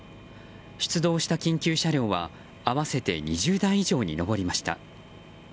出動した緊急車両は合わせて２０台以上に上りました。